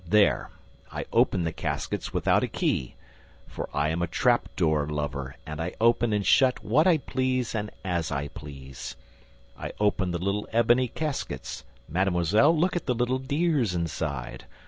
There, I open the caskets without a key, for I am a trap door lover and I open and shut what I please and as I please. I open the little ebony caskets: mademoiselle, look at the little dears inside.